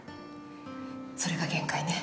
それが限界ね。